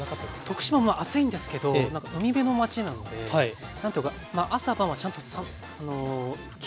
徳島も暑いんですけどなんか海辺の町なので何ていうか朝晩はちゃんと気温下がる。